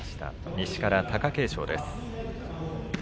西から貴景勝です。